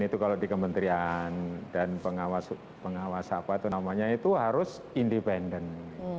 itu kalau di kementerian dan pengawas apa itu namanya itu harus independen